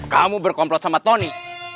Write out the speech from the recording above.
kamu berkomplot sama tony